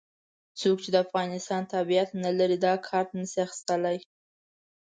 څوک چې د افغانستان تابعیت نه لري دا کارت نه شي اخستلای.